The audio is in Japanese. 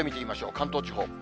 関東地方。